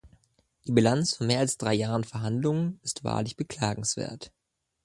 Die Bilanz von mehr als drei Jahren Verhandlungen ist wahrlich beklagenswert.